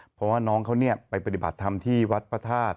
เพราะว่าน้องเขาไปปฏิบัติธรรมที่วัดพระธาตุ